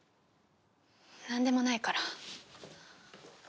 なんでもないから。